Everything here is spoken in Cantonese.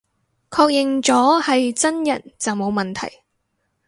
確認咗係真人就冇問題